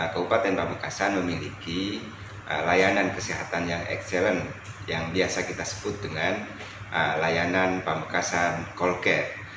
kabupaten pamekasan memiliki layanan kesehatan yang excellent yang biasa kita sebut dengan layanan pamekasan call care